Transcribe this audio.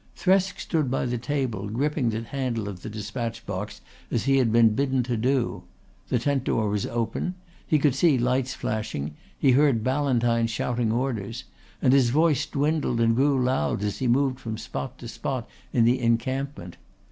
Thresk stood by the table gripping the handle of the despatch box as he had been bidden to do. The tent door was left open. He could see lights flashing, he heard Ballantyne shouting orders, and his voice dwindled and grew loud as he moved from spot to spot in the encampment.